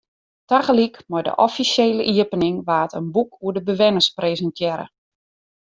Tagelyk mei de offisjele iepening waard in boek oer de bewenners presintearre.